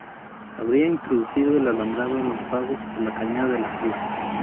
Habría introducido el alambrado en los pagos de la Cañada de la Cruz.